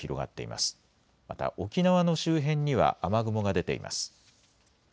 また沖縄の周辺には雨雲が出ています。